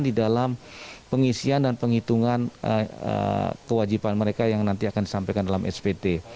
di dalam pengisian dan penghitungan kewajiban mereka yang nanti akan disampaikan dalam spt